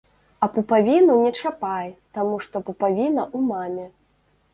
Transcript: А пупавіну не чапай, таму што пупавіна ў маме.